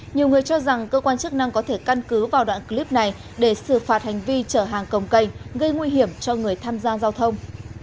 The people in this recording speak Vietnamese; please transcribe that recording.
nhiều người cho rằng cơ quan chức năng có thể căn cứ vào đoạn clip này để xử phạt hành vi chở hàng công cây gây nguy hiểm cho người tham gia giao thông